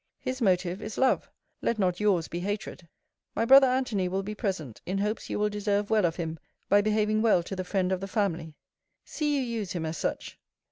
His motive is love; let not yours be hatred. My brother Antony will be present, in hopes you will deserve well of him, by behaving well to the friend of the family. See you use him as such.